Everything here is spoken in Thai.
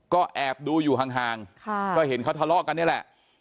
ก็แอบดูอยู่ห่างก็เห็นเขาทะเลาะกันนี่แหละ